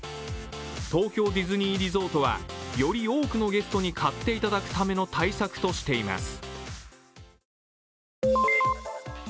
東京ディズニーリゾートは、より多くのゲストに買っていただくための対策としています。